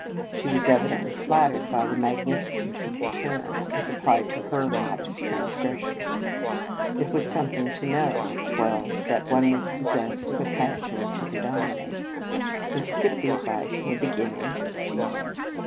She was evidently flattered by the mag nificence of the term, as applied to her modest transgressions. It was something to know at twelve that one was possessed of a passion to predominate. " We 11 skip the advice in the be ginning?" she said.